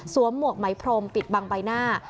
หมวกไหมพรมปิดบังใบหน้า